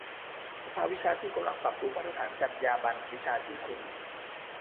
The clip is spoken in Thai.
สภาวิชาชีพกำลังปรับปรุงมาตรฐานจรรยาบรรณวิชาชีพครู